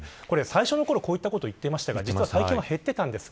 最初のころ、こういったことは言っていましたが実は最近は減っていたんです。